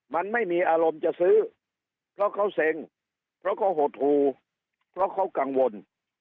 มันไม่มีอารมณ์จะซื้อเพราะเขาเซ็งเพราะเขาหดหูเพราะเขากังวล